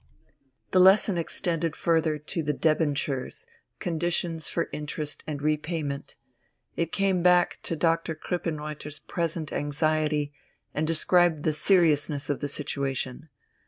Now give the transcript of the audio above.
The lesson extended further to the debentures, conditions for interest and repayment. It came back to Doctor Krippenreuther's present anxiety, and described the seriousness of the situation.